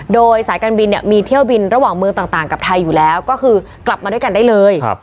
โดยสายการบินเนี่ยมีเที่ยวบินระหว่างเมืองต่างกับไทยอยู่แล้วก็คือกลับมาด้วยกันได้เลย